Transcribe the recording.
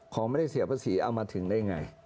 ของไม่ได้เสียภาษีเอามาถึงได้ไง